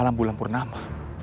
malam bulan purnama